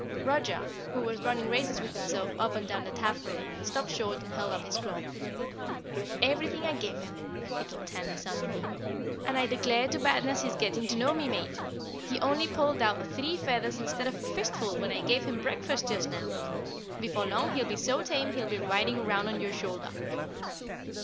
Roger, who was running races with himself up and down the taffrail, stopped short and held up his claw. "Everything I give him," he told Tandy solemnly. "And I declare to badness he's getting to know me, Mate. He only pulled out three feathers instead of a fistful when I gave him breakfast just now. Before long he'll be so tame he'll be riding around on your shoulder."